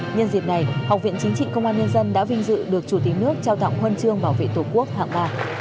nhân dịp này học viện chính trị công an nhân dân đã vinh dự được chủ tịch nước trao tặng huân chương bảo vệ tổ quốc hạng ba